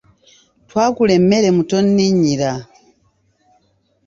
Twagula emmere mu tonninnyira.